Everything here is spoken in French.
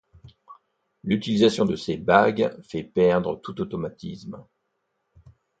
L'utilisation de ces bagues fait perdre tout automatisme.